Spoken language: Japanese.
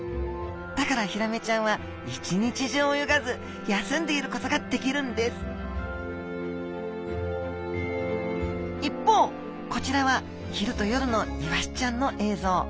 だからヒラメちゃんは一日中泳がず休んでいることができるんです一方こちらは昼と夜のイワシちゃんの映像。